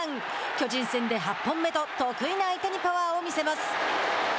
巨人戦で８本目と得意な相手にパワーを見せます。